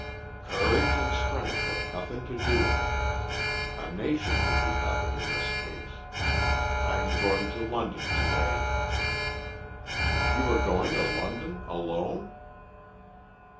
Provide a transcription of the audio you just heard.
"Courage and strength have nothing to do with it. A nation could do nothing in this case. I am going to London to day." "You are going to London alone?"